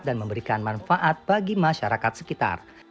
dan memberikan manfaat bagi masyarakat sekitar